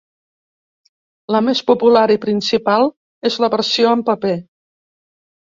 La més popular i principal és la versió en paper.